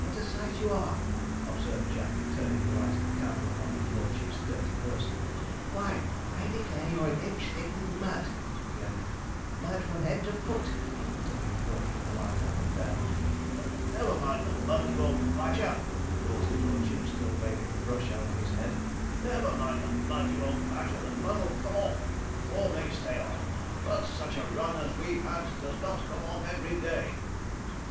what a sight you are!' observed Jack, turning the light of the candle upon his lordship's dirty person. 'Why, I declare you're an inch thick with mud,' he added, 'mud from head to foot,' he continued, working the light up and down. 'Never mind the mud, you old badger!' roared his lordship, still waving the brush over his head: 'never mind the mud, you old badger; the mud'll come off, or may stay on; but such a run as we've had does not come off every day.'